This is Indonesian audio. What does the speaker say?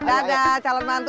dadah calon mantu